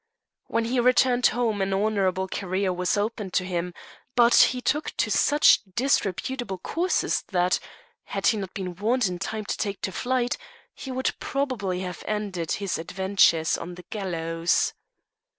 When he returned home an honourable career was open to him, but he took to such disreputable courses that, had he not been warned in time to take to flight, he would probably have ended his adventures on the gallows.